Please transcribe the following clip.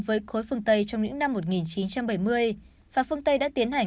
với khối phương tây trong những năm một nghìn chín trăm bảy mươi và phương tây đã tiến hành